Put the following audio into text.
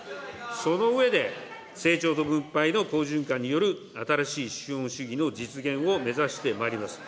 その上で、成長と分配の好循環による新しい資本主義の実現を目指してまいります。